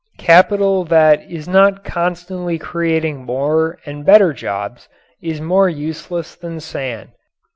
Capital that is not constantly creating more and better jobs is more useless than sand.